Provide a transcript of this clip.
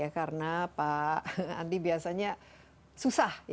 karena pak andi biasanya susah